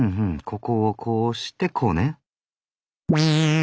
ここをこうしてこうね。